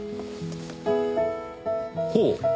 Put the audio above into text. ほう！